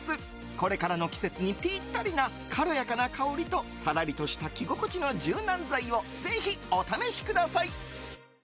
これからの季節にピッタリな軽やかな香りとさらりとした着心地の柔軟剤をぜひ、お試しください。